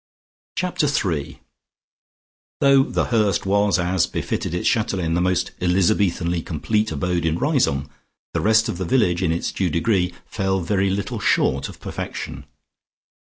Chapter THREE Though "The Hurst" was, as befitted its Chatelaine, the most Elizabethanly complete abode in Riseholme, the rest of the village in its due degree, fell very little short of perfection.